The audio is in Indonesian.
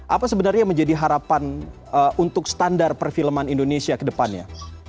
apa sebenarnya yang menjadi harapan untuk standar perfilman indonesia ke depannya